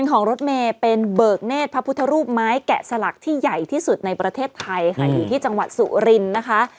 ของรถเมย์เป็นเบิกเนธพระพุทธรูปไม้แกะสลักที่ใหญ่ที่สุดในประเทศไทยค่ะอยู่ที่จังหวัดสุรินทร์นะคะ